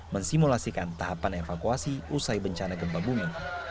mensimulasikan tahapan evakuasi usai bencana gempa bumi